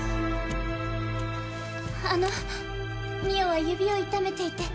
あの澪は指を痛めていて。